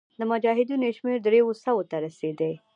د مجاهدینو شمېر دریو سوو ته رسېدی.